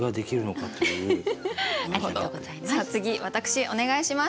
次私お願いします。